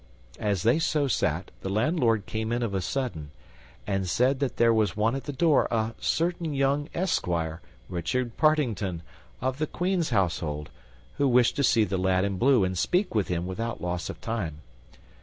As they so sat, the landlord came in of a sudden, and said that there was one at the door, a certain young esquire, Richard Partington, of the Queen's household, who wished to see the lad in blue, and speak with him, without loss of time.